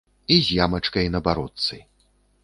І з ямачкай на бародцы.